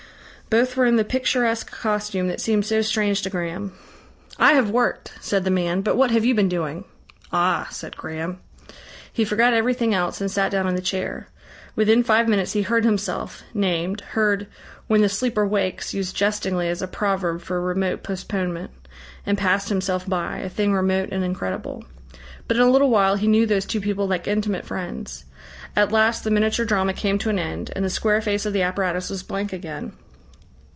Both were in the picturesque costume that seemed so strange to Graham. "I have worked," said the man, "but what have you been doing?" "Ah!" said Graham. He forgot everything else, and sat down in the chair. Within five minutes he heard himself, named, heard "when the Sleeper wakes," used jestingly as a proverb for remote postponement, and passed himself by, a thing remote and incredible. But in a little while he knew those two people like intimate friends. At last the miniature drama came to an end, and the square face of the apparatus was blank again.